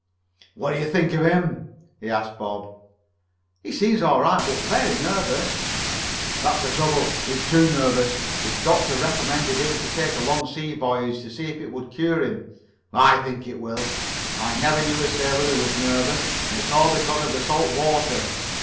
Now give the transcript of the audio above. "What do you think of him?" he asked Bob. "He seems all right, but very nervous." "That's the trouble. He's too nervous. His doctor recommended him to take a long sea voyage to see if it would cure him. I think it will. I never knew a sailor who was nervous, and it's all because of the salt water.